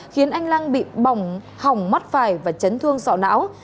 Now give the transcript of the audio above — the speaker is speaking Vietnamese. khiến anh lăng bị bỏng hỏng mắt phải và chấn thương sọ não